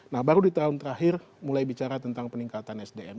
nah baru di tahun terakhir mulai bicara tentang peningkatan sdm